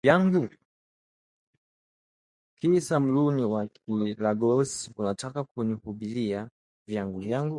Kisha, Maluuni we kikaragosi! Unataka kuniharibia vyungu vyangu